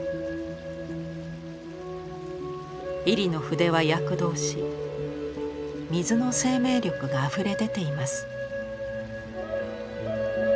位里の筆は躍動し水の生命力があふれ出ています。